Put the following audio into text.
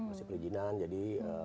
masih perizinan jadi